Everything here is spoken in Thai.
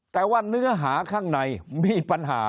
แต่ว่าเนื้อหาข้างในมีปัญหา